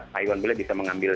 pak iwan bule bisa mengambil